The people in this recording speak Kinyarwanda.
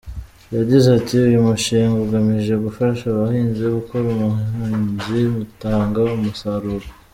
Yagize ati “Uyu mushinga ugamije gufasha abahinzi gukora ubuhinzi butanga umusaruro.